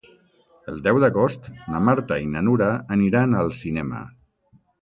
El deu d'agost na Marta i na Nura aniran al cinema.